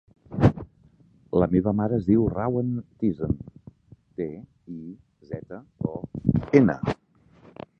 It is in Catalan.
La meva mare es diu Rawan Tizon: te, i, zeta, o, ena.